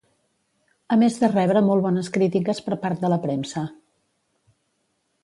A més de rebre molt bones crítiques per part de la premsa.